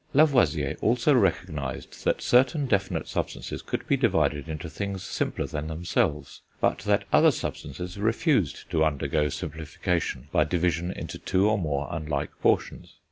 Lavoisier also recognised that certain definite substances could be divided into things simpler than themselves, but that other substances refused to undergo simplification by division into two or more unlike portions.